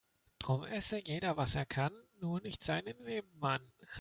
Drum esse jeder was er kann, nur nicht seinen Nebenmann.